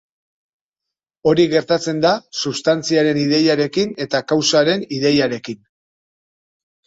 Hori gertatzen da substantziaren ideiarekin eta kausaren ideiarekin.